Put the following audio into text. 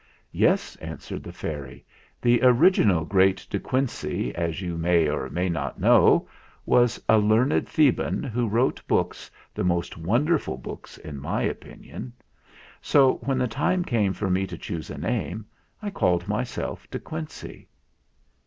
"Yes," answered the fairy. "The original great De Quincey, as you may or may not know, was a learned Theban who wrote books the most wonderful books, in my opinion. So, when the time came for me to choose a name, I called myself De Quincey."